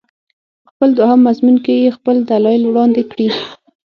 په خپل دوهم مضمون کې یې خپل دلایل وړاندې کړي.